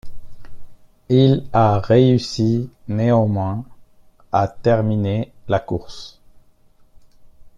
Il a réussi néanmoins à terminer la course.